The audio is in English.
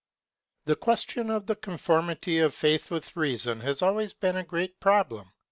The question of the conformity of faith with reason has always been a great problem.